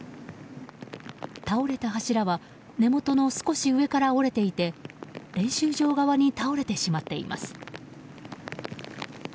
倒れた柱は根元の少し上から折れていて練習場側に倒れてしまっています。